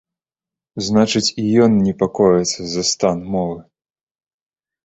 Значыць і ён непакоіцца за стан мовы.